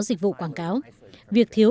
dịch vụ quảng cáo việc thiếu